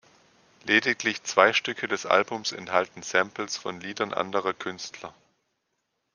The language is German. Lediglich zwei Stücke des Albums enthalten Samples von Liedern anderer Künstler.